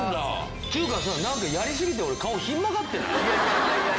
っていうかさなんかやりすぎて俺顔ひん曲がってない？